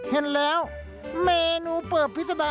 ต้องหาคู่เต้นอยู่ป่ะคะ